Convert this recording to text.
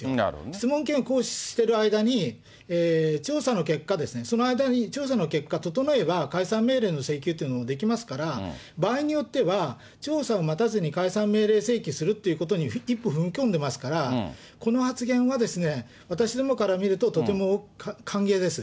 質問権行使している間に、調査の結果、その間に、調査の結果整えば、解散命令の請求というのもできますから、場合によっては調査を待たずに解散命令請求するということに、一歩踏み込んでますから、この発言は、私どもから見ると、とても歓迎です。